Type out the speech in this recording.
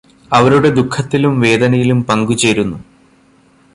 അവരുടെ ദുഃഖത്തിലും വേദനയിലും പങ്കുചേരുന്നു.